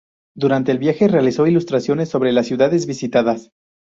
Durante el viaje realizó ilustraciones sobre las ciudades visitadas.